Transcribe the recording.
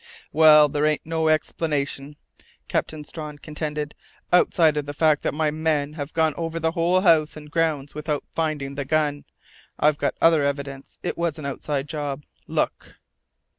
"Well, there ain't no other explanation," Captain Strawn contended. "Outside of the fact that my men have gone over the whole house and grounds without finding the gun, I've got other evidence it was an outside job.... Look!"